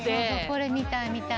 これ見たい見たい。